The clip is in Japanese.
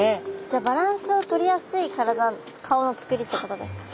じゃあバランスをとりやすい体顔のつくりってことですか？